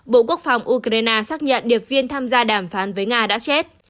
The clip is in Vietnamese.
bộ quốc phòng ukraine xác nhận điệp viên tham gia đàm phán với nga đã chết